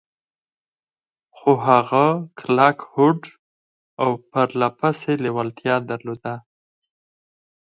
خو هغه کلک هوډ او پرله پسې لېوالتيا درلوده.